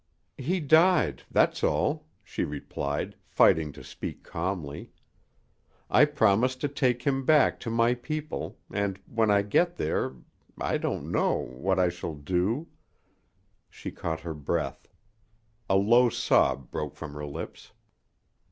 "He died that's all," she replied, fighting to speak calmly. "I promised to take him back to my people, And when I get there I don't know what I shall do " She caught her breath. A low sob broke from her lips.